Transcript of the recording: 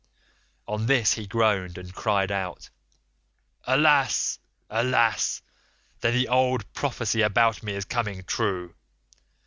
"On this he groaned, and cried out, 'Alas, alas, then the old prophecy about me is coming true.